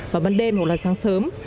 vào ban đêm hoặc là sáng sớm